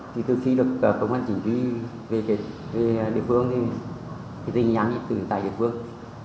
thì từ khi được công an chính quy về địa phương thì tình nhanh từng tài địa phương